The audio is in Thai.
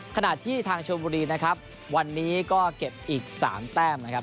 ขณะที่ทางชมบุรีนะครับวันนี้ก็เก็บอีก๓แต้มนะครับ